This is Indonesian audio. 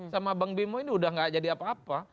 sama bang bimo ini udah gak jadi apa apa